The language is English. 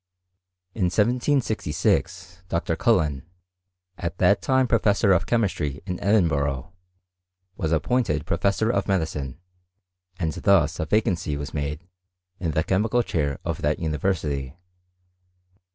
In 1766 Dr. Cullen, at that time professor of chemistry in Edin burgh, was appointed professor of medicine, and thus a vacancy was made in the chemical chair of that university.